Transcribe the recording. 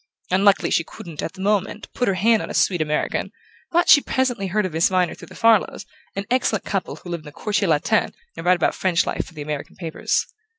Unluckily she couldn't, at the moment, put her hand on a sweet American; but she presently heard of Miss Viner through the Farlows, an excellent couple who live in the Quartier Latin and write about French life for the American papers.